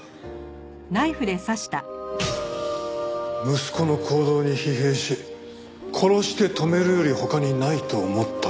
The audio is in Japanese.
息子の行動に疲弊し殺して止めるより他にないと思ったって事か。